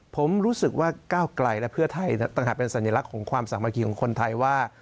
ผมรู้สึกว่าก้าวไกลและเพื่อไทยต่างหากเป็นสัญลักษณ์ของความสามัคคีของคนไทยว่า